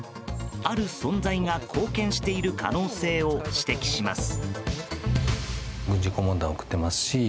ある存在が貢献している可能性を指摘します。